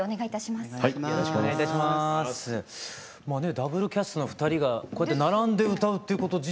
ダブルキャストの２人がこうやって並んで歌うっていうこと自体がね